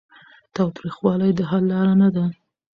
تاوتریخوالی د حل لاره نه ده.